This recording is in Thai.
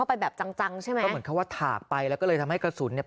เพราะว่าล่าสุด